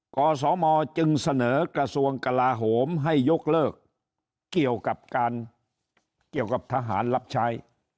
กศมจึงเสนอกระทรวงกลาโหมให้ยกเลิกเกี่ยวกับทหารรับใช้